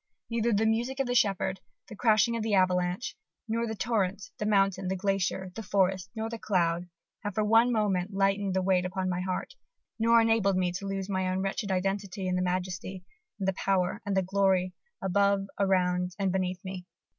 "Neither the music of the shepherd, the crashing of the avalanche, nor the torrent, the mountain, the glacier, the forest, nor the cloud, have for one moment lightened the weight upon my heart, nor enabled me to lose my own wretched identity in the majesty, and the power, and the glory, above, around, and beneath me."